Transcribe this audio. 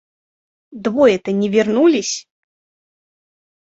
Двое-то не вернулись.